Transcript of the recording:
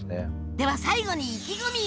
では最後に意気込みを！